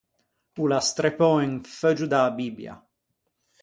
O l’à streppou un feuggio da-a Bibbia.